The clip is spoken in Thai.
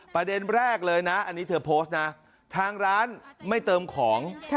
ประเด็นแรกเลยนะอันนี้เธอโพสต์นะทางร้านไม่เติมของ